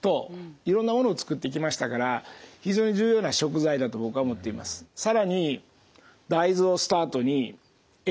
いろんなものを作ってきましたから非常に重要な食材だと僕は思っています。